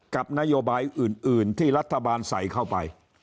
กับนโยบายอื่นที่รัฐบาลใส่เข้าไป